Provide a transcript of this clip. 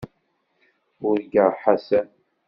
Urgaɣ Ḥasan.